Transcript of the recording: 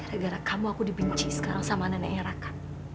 gara gara kamu aku dibenci sekarang sama neneknya raka